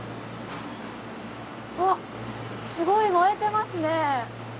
あっすごい燃えてますね。